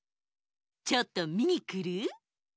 ちょっとみにくる？